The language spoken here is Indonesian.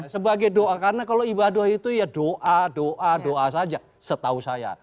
sebagai doa karena kalau ibadah itu ya doa doa doa saja setahu saya